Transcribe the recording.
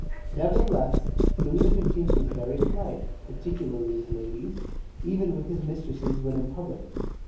Nevertheless, Louis XV. was very polite, particularly with ladies, even with his mistresses, when in public.